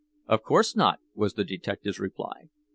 "Of course not," was the detective's reply.